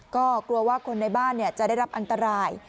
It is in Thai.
ก็กลัวว่าคนในบ้านจะได้รับอันตราย